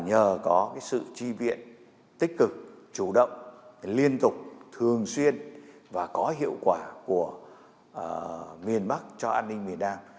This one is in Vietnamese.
nhờ có sự chi viện tích cực chủ động liên tục thường xuyên và có hiệu quả của miền bắc cho an ninh miền nam